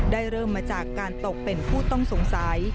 เริ่มมาจากการตกเป็นผู้ต้องสงสัย